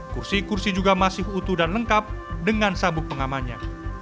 kursi kursi juga masih utuh dan lengkap dengan sabuk pengamannya